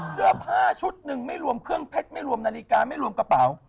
เสื้อผ้าชุดหนึ่งไม่รวมเครื่องเพชรไม่รวมนาฬิกาไม่รวมกระเป๋า